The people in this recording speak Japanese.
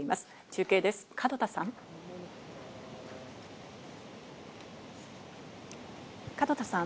中継です、門田さん。